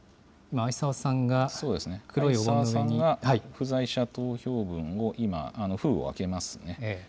逢沢さんが不在者投票分を、今、封を開けますね。